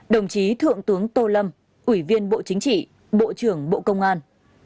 một mươi bốn đồng chí thượng tướng tô lâm ủy viên bộ chính trị bộ trưởng bộ công an